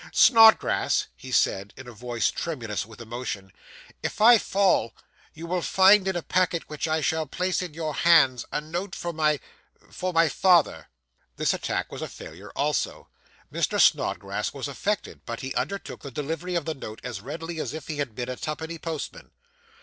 'Snodgrass,' he said, in a voice tremulous with emotion, 'if I fall, you will find in a packet which I shall place in your hands a note for my for my father.' This attack was a failure also. Mr. Snodgrass was affected, but he undertook the delivery of the note as readily as if he had been a twopenny postman.